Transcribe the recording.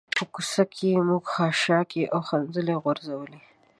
په کوڅه کې موږ خاشاک او خځلې غورځولي.